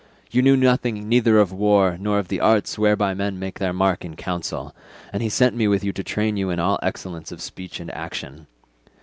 You knew nothing neither of war nor of the arts whereby men make their mark in council, and he sent me with you to train you in all excellence of speech and action.